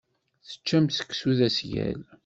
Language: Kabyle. Teččam seksu d asgal.